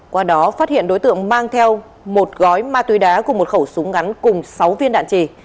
qua đó phát hiện đối tượng mang theo một gói ma túy đá cùng một khẩu súng ngắn cùng sáu viên đạn trì